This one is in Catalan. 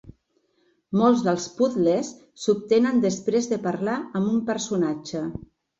Molts dels puzles s'obtenen després de parlar amb un personatge.